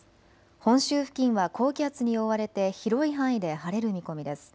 本州付近は高気圧に覆われて広い範囲で晴れる見込みです。